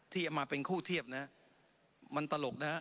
ที่เอามาเป็นคู่เทียบนะครับมันตลกนะครับ